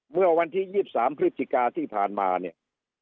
เมื่อวันที่๒๓พฤศจิกาที่ผ่านมาเนี่ย